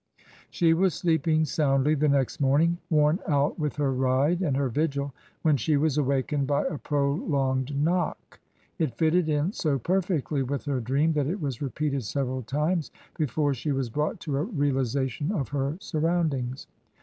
She was sleeping soundly the next morning, worn out with her ride and her vigil, when she was awakened by a prolonged knock. It fitted in so perfectly with her dream that it was repeated several times before she was brought to a realization of her surroundings.